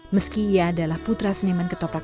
meski ia adalah putra seniman ketoprak